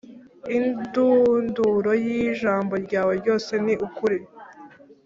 Indunduro y ijambo ryawe ryose ni ukuri